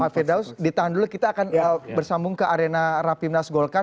pak firdaus ditahan dulu kita akan bersambung ke arena rapimnas golkar